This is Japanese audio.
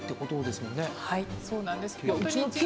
はいそうなんです。